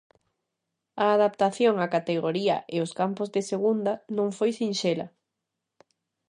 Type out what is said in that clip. A adaptación á categoría e aos campos de Segunda non foi sinxela.